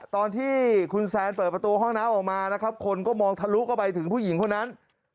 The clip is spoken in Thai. ตอนที่คุณแซนเปิดประตูห้องน้ำออกมานะครับคนก็มองทะลุเข้าไปถึงผู้หญิงคนนั้น